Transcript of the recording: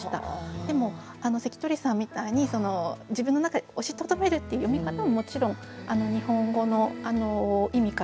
でも関取さんみたいに自分の中に押しとどめるっていう読み方ももちろん日本語の意味からは取れるかなと思いました。